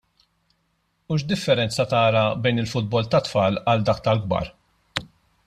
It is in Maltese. U x'differenza tara bejn il-futbol tat-tfal għal dak tal-kbar?